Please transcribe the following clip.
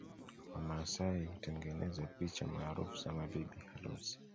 Wamasai hutengeneza picha maarufu za mabibi harusi